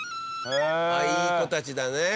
あっいい子たちだね。